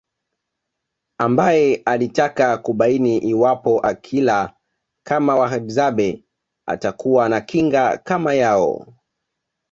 Ambae alitaka kubaini iwapo akila kama Wahadzabe atakuwa na kinga kama yao